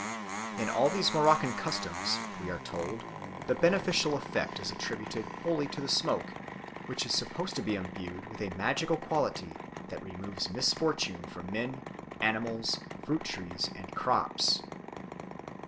In all these Moroccan customs, we are told, the beneficial effect is attributed wholly to the smoke, which is supposed to be endued with a magical quality that removes misfortune from men, animals, fruit trees and crops.